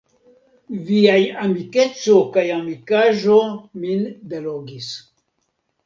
Viaj amikeco kaj amikaĵo min delogis.